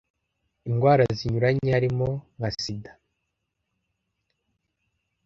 indwara zinyuranye harimo nka sida